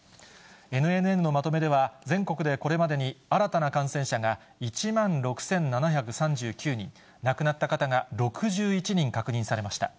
ＮＮＮのまとめでは、全国でこれまでに新たな感染者が１万６７３９人、亡くなった方が６１人確認されました。